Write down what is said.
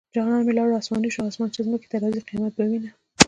جانان مې لاړو اسماني شو اسمان چې ځمکې ته راځي قيامت به وينه